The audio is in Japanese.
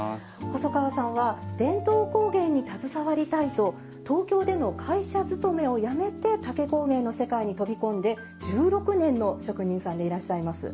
細川さんは伝統工芸に携わりたいと東京での会社勤めをやめて竹工芸の世界に飛び込んで１６年の職人さんでいらっしゃいます。